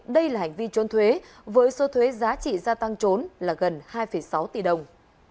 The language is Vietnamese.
đây là hành vi trốn thuế với số thuế giá trị gia tăng trốn là gần hai sáu tỷ đồng